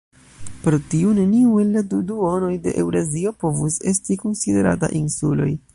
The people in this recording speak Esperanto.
Pro tiu neniu el la du duonoj de Eŭrazio povus esti konsiderata insuloj.